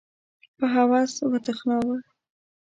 په هوس وتخناوه